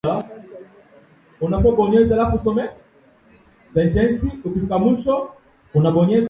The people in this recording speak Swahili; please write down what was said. Pia kundi liliahidi ushirika na kundi la dola ya kiislamu mwaka elfu mbili na kumi na tisa